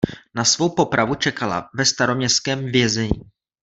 Na svou popravu čekala ve staroměstském vězení.